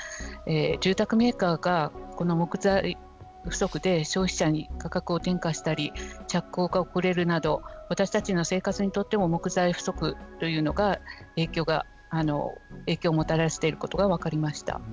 住宅メーカーがこの木材不足で消費者に価格を転嫁したり着工が遅れるなど私たちの生活にとっても木材不足というのが影響をもたらしていることが分かりました。